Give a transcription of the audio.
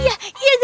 jangan pergi mes si